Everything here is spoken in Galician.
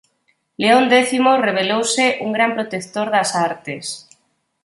Léon X revelouse un gran protector das artes.